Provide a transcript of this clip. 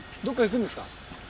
どこか行くんですか？